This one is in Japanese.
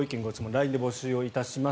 ＬＩＮＥで募集します。